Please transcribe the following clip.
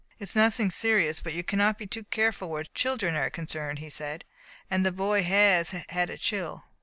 "It s nothing serious, but you cannot be too careful where children are concerned," he said, "and the boy has had a chill.